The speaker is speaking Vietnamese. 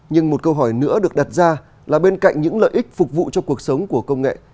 nhưng một câu hỏi nữa được đặt ra là bên cạnh những lợi ích phục vụ cho cuộc sống của công nghệ